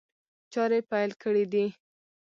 چاري پيل کړي دي.